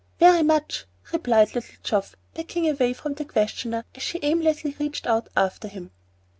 "Very much," replied little Geoff, backing away from the questioner, as she aimlessly reached out after him.